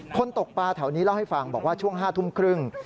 ตกปลาแถวนี้เล่าให้ฟังบอกว่าช่วง๕ทุ่มครึ่ง